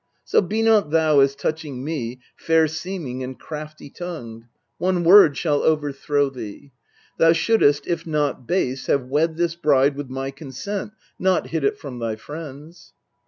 So be not thou, as touching me, fair seeming And crafty tongued : one word shall overthrow thee : Thou shouldest, if not base, have wed this bride With my consent, not hid it from thy friends.